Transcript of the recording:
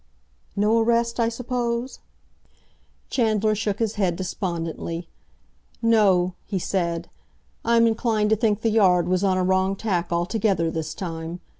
"No arrest I suppose?" Chandler shook his head despondently. "No," he said, "I'm inclined to think the Yard was on a wrong tack altogether this time.